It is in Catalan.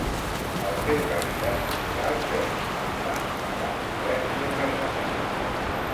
Els seus hàbitats naturals són la pampa, els camps oberts i els herbassars.